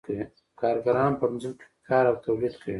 کارګران په ځمکو کې کار او تولید کوي